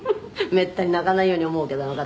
「めったに泣かないように思うけどあの方」